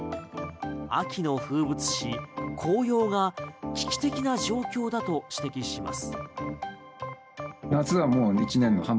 秋の風物詩、紅葉が危機的な状況だと指摘します。